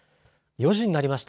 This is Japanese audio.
４時になりました。